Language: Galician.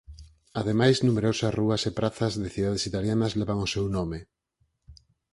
Ademais numerosas rúas e prazas de cidades italianas levan o seu nome.